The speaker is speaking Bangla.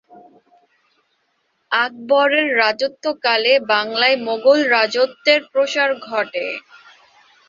আকবরের রাজত্বকালে বাংলায় মুগল রাজত্বের প্রসার ঘটে।